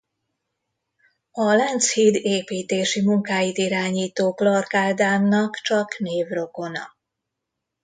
A Lánchíd építési munkáit irányító Clark Ádámnak csak névrokona.